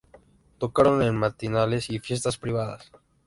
Tocaron en matinales y fiestas privadas.